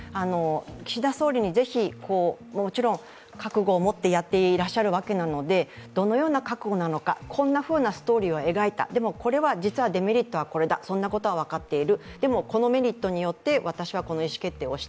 岸田総理に、もちろん覚悟を持ってやっていらっしゃるわけなので、どのような覚悟なのか、こんなふうなストーリーを描いたでもこれは実はデメリットはこれだ、そんなことは分かっている。